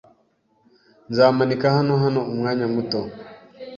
Nzimanika hano hano umwanya muto.